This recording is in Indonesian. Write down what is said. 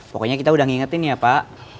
pokoknya kita udah ngingetin ya pak